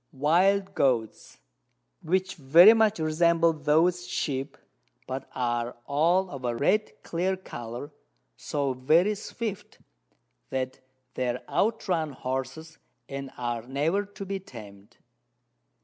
Wild Goats, which very much resemble those Sheep, but are all of a red clear Colour, so very swift that they out run Horses, and are never to be tamed.